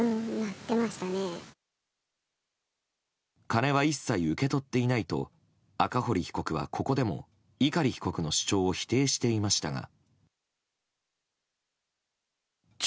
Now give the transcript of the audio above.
金は一切受け取っていないと赤堀被告はここでも碇被告の主張を否定していましたが。